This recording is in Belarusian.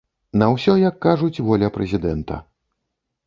На ўсё, як кажуць, воля прэзідэнта!